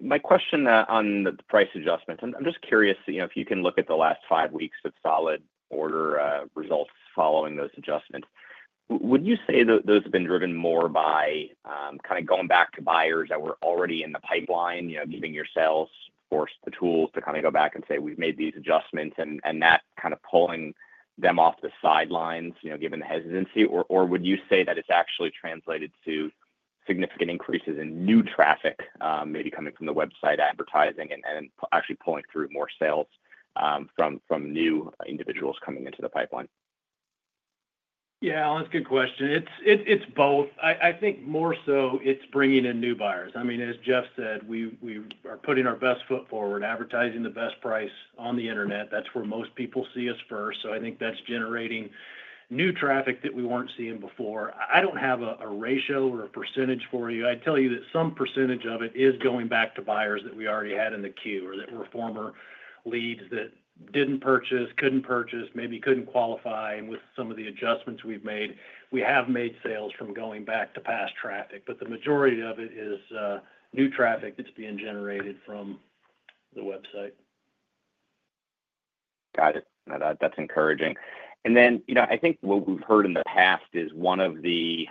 K: My question on the price adjustments, I'm just curious if you can look at the last five weeks of solid order results following those adjustments. Would you say those have been driven more by kind of going back to buyers that were already in the pipeline, giving yourselves the tools to kind of go back and say, "We've made these adjustments," and that kind of pulling them off the sidelines given the hesitancy? Or would you say that it's actually translated to significant increases in new traffic, maybe coming from the website advertising and actually pulling through more sales from new individuals coming into the pipeline? Yeah, that's a good question. It's both. I think more so it's bringing in new buyers. I mean, as Jeff said, we are putting our best foot forward, advertising the best price on the internet. That's where most people see us first. I think that's generating new traffic that we weren't seeing before. I don't have a ratio or a percentage for you. I'd tell you that some percentage of it is going back to buyers that we already had in the queue or that were former leads that didn't purchase, couldn't purchase, maybe couldn't qualify. With some of the adjustments we've made, we have made sales from going back to past traffic. The majority of it is new traffic that's being generated from the website. Got it. That's encouraging. I think what we've heard in the past is one of the,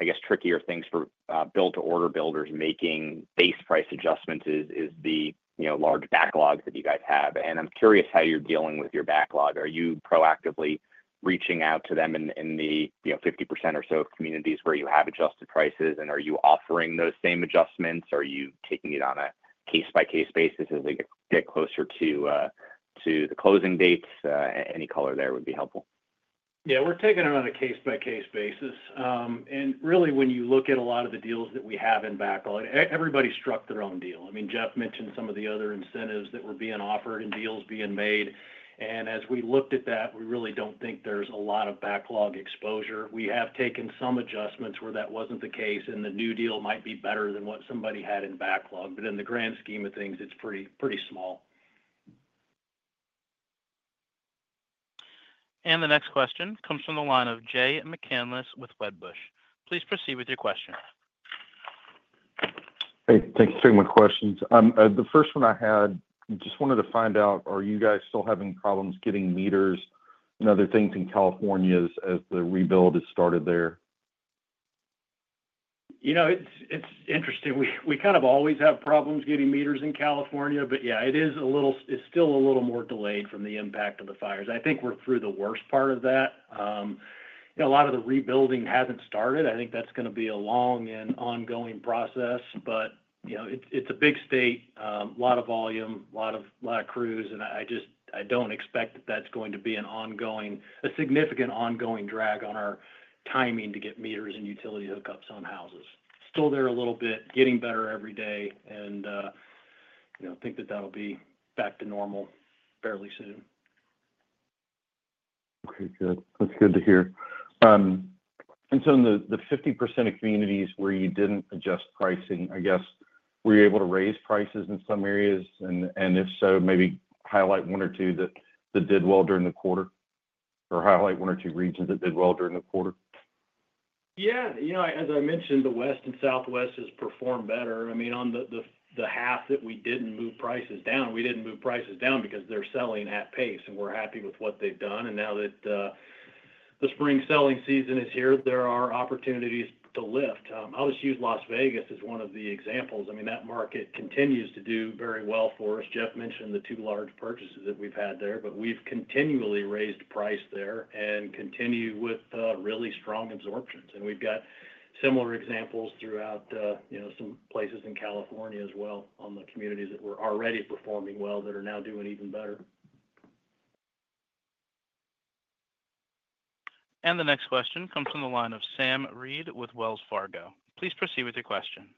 K: I guess, trickier things for build-to-order builders making base price adjustments is the large backlogs that you guys have. I'm curious how you're dealing with your backlog. Are you proactively reaching out to them in the 50% or so of communities where you have adjusted prices? Are you offering those same adjustments? Are you taking it on a case-by-case basis as they get closer to the closing dates? Any color there would be helpful.
C: Yeah, we're taking it on a case-by-case basis. Really, when you look at a lot of the deals that we have in backlog, everybody struck their own deal. I mean, Jeff mentioned some of the other incentives that were being offered and deals being made. As we looked at that, we really do not think there is a lot of backlog exposure. We have taken some adjustments where that was not the case, and the new deal might be better than what somebody had in backlog. In the grand scheme of things, it is pretty small.
A: The next question comes from the line of Jay McCanless with Wedbush. Please proceed with your question.
L: Hey, thanks for taking my questions. The first one I had, just wanted to find out, are you guys still having problems getting meters and other things in California as the rebuild has started there?
C: It's interesting. We kind of always have problems getting meters in California. Yeah, it is a little, it's still a little more delayed from the impact of the fires. I think we're through the worst part of that. A lot of the rebuilding hasn't started. I think that's going to be a long and ongoing process. It's a big state, a lot of volume, a lot of crews. I don't expect that that's going to be a significant ongoing drag on our timing to get meters and utility hookups on houses. Still there a little bit, getting better every day. I think that that'll be back to normal fairly soon.
L: Okay, good. That's good to hear. In the 50% of communities where you didn't adjust pricing, I guess, were you able to raise prices in some areas? If so, maybe highlight one or two that did well during the quarter or highlight one or two regions that did well during the quarter.
C: Yeah. As I mentioned, the West and Southwest has performed better. I mean, on the half that we didn't move prices down, we didn't move prices down because they're selling at pace, and we're happy with what they've done. Now that the spring selling season is here, there are opportunities to lift. I'll just use Las Vegas as one of the examples. I mean, that market continues to do very well for us. Jeff mentioned the two large purchases that we've had there, but we've continually raised price there and continue with really strong absorptions. We've got similar examples throughout some places in California as well on the communities that were already performing well that are now doing even better.
A: The next question comes from the line of Sam Reid with Wells Fargo. Please proceed with your question.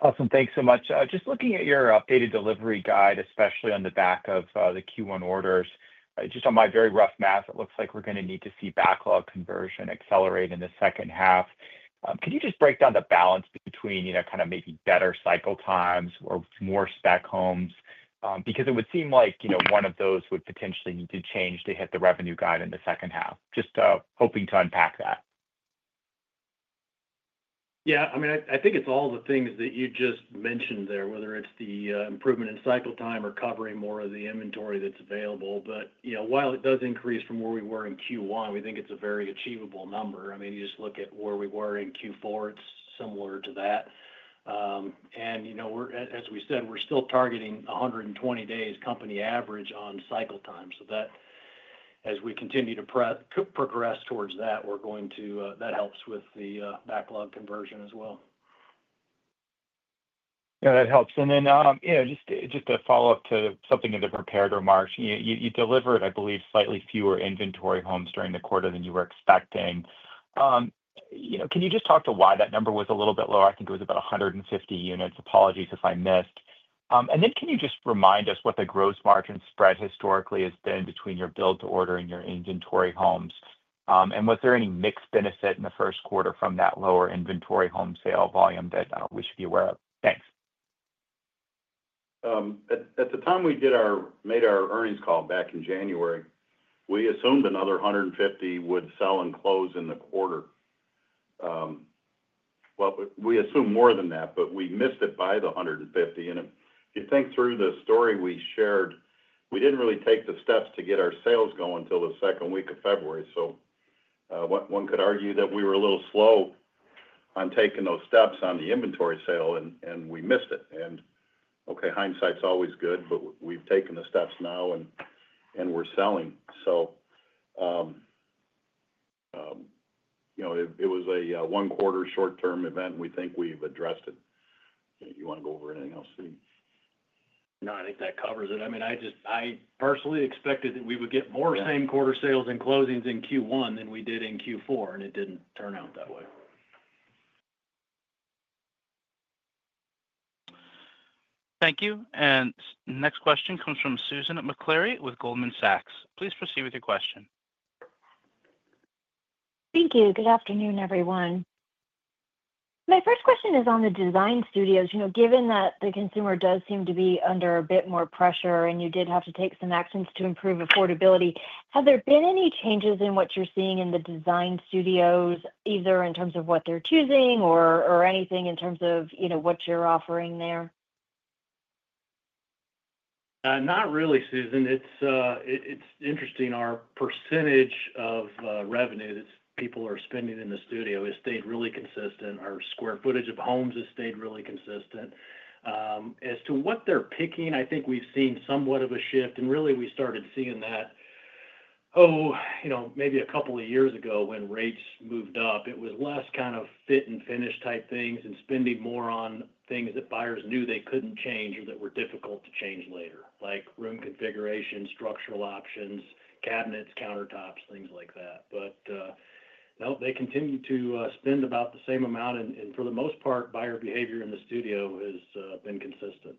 M: Awesome. Thanks so much. Just looking at your updated delivery guide, especially on the back of the Q1 orders, just on my very rough math, it looks like we're going to need to see backlog conversion accelerate in the second half. Could you just break down the balance between kind of maybe better cycle times or more spec homes? Because it would seem like one of those would potentially need to change to hit the revenue guide in the second half. Just hoping to unpack that.
C: Yeah. I mean, I think it's all the things that you just mentioned there, whether it's the improvement in cycle time or covering more of the inventory that's available. While it does increase from where we were in Q1, we think it's a very achievable number. I mean, you just look at where we were in Q4. It's similar to that. As we said, we're still targeting 120 days company average on cycle time. As we continue to progress towards that, that helps with the backlog conversion as well.
M: Yeah, that helps. Just to follow up to something in the prepared remarks, you delivered, I believe, slightly fewer inventory homes during the quarter than you were expecting. Can you just talk to why that number was a little bit lower? I think it was about 150 units. Apologies if I missed. Can you just remind us what the gross margin spread historically has been between your build-to-order and your inventory homes? Was there any mixed benefit in the Q1 from that lower inventory home sale volume that we should be aware of? Thanks.
B: At the time we made our earnings call back in January, we assumed another 150 would sell and close in the quarter. We assumed more than that, but we missed it by the 150. If you think through the story we shared, we did not really take the steps to get our sales going until the second week of February. One could argue that we were a little slow on taking those steps on the inventory sale, and we missed it. Hindsight is always good, but we have taken the steps now, and we are selling. It was a one-quarter short-term event, and we think we've addressed it. You want to go over anything else?
C: No, I think that covers it. I mean, I personally expected that we would get more same-quarter sales and closings in Q1 than we did in Q4, and it did not turn out that way.
A: Thank you. Next question comes from Susan McClary with Goldman Sachs. Please proceed with your question. Thank you.
N: Good afternoon, everyone. My first question is on the design studios. Given that the consumer does seem to be under a bit more pressure, and you did have to take some actions to improve affordability, have there been any changes in what you're seeing in the design studios, either in terms of what they're choosing or anything in terms of what you're offering there?
C: Not really, Susan. It's interesting. Our percentage of revenue that people are spending in the studio has stayed really consistent. Our square footage of homes has stayed really consistent. As to what they're picking, I think we've seen somewhat of a shift. Really, we started seeing that, oh, maybe a couple of years ago when rates moved up, it was less kind of fit-and-finish type things and spending more on things that buyers knew they couldn't change or that were difficult to change later, like room configuration, structural options, cabinets, countertops, things like that. No, they continue to spend about the same amount. For the most part, buyer behavior in the studio has been consistent.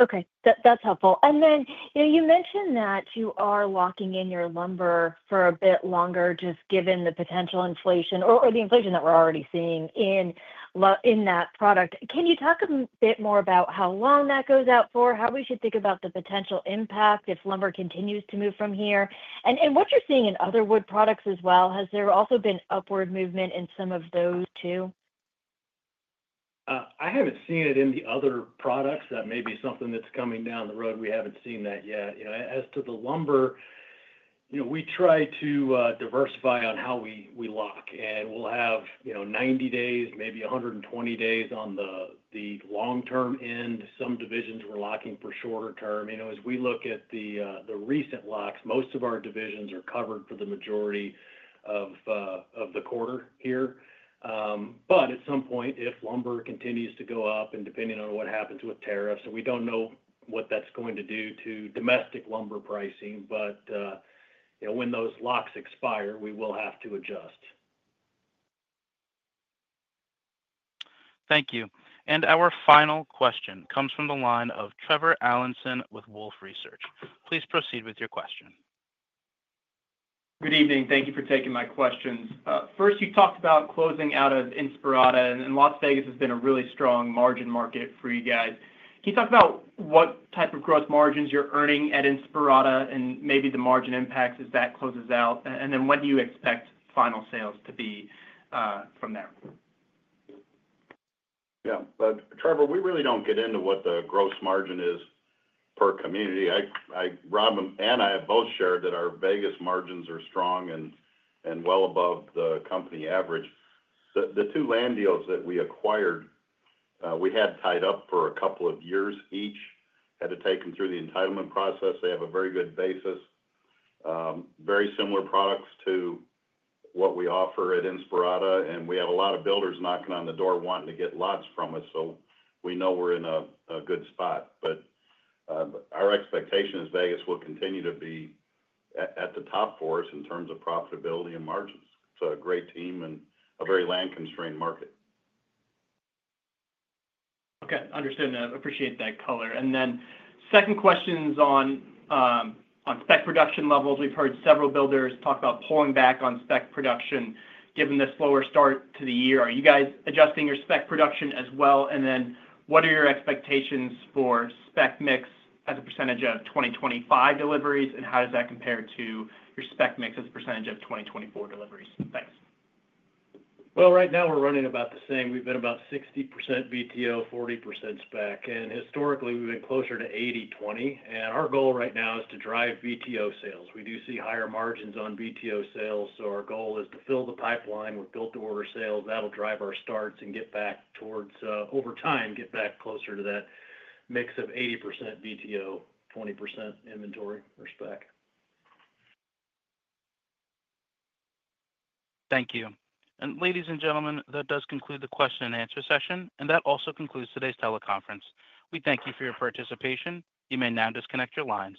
N: Okay. That's helpful. You mentioned that you are locking in your lumber for a bit longer just given the potential inflation or the inflation that we're already seeing in that product. Can you talk a bit more about how long that goes out for, how we should think about the potential impact if lumber continues to move from here? What you're seeing in other wood products as well, has there also been upward movement in some of those too?
C: I haven't seen it in the other products. That may be something that's coming down the road. We haven't seen that yet. As to the lumber, we try to diversify on how we lock. We'll have 90 days, maybe 120 days on the long-term end. Some divisions we're locking for shorter term. As we look at the recent locks, most of our divisions are covered for the majority of the quarter here. At some point, if lumber continues to go up and depending on what happens with tariffs, and we do not know what that is going to do to domestic lumber pricing, but when those locks expire, we will have to adjust.
A: Thank you. Our final question comes from the line of Trevor Allinson with Wolfe Research. Please proceed with your question. Good evening.
O: Thank you for taking my questions. First, you talked about closing out of Inspirata, and Las Vegas has been a really strong margin market for you guys. Can you talk about what type of gross margins you are earning at Inspirata and maybe the margin impacts as that closes out? When do you expect final sales to be from there?
B: Yeah. Trevor, we really do not get into what the gross margin is per community. Rob and I have both shared that our Vegas margins are strong and well above the company average. The two land deals that we acquired, we had tied up for a couple of years each, had to take them through the entitlement process. They have a very good basis, very similar products to what we offer at Inspirata. And we have a lot of builders knocking on the door wanting to get lots from us. So we know we're in a good spot. Our expectation is Vegas will continue to be at the top for us in terms of profitability and margins. It's a great team and a very land-constrained market.
O: Okay. Understood. Appreciate that color. Second question is on spec production levels. We've heard several builders talk about pulling back on spec production given the slower start to the year. Are you guys adjusting your spec production as well? What are your expectations for spec mix as a percentage of 2025 deliveries, and how does that compare to your spec mix as a percentage of 2024 deliveries? Thanks.
C: Right now, we're running about the same. We've been about 60% BTO, 40% spec. Historically, we've been closer to 80/20. Our goal right now is to drive BTO sales. We do see higher margins on BTO sales. Our goal is to fill the pipeline with build-to-order sales. That will drive our starts and get back towards, over time, get back closer to that mix of 80% BTO, 20% inventory, or spec.
A: Thank you. Ladies and gentlemen, that does conclude the question-and-answer session. That also concludes today's teleconference. We thank you for your participation. You may now disconnect your lines.